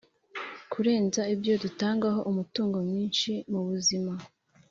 Kurenza ibyo dutangaho umutungo mwinshi mu buzima,